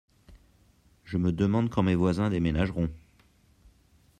Je me demande quand mes voisins déménageront.